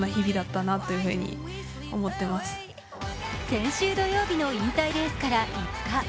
先週土曜日の引退レースから５日。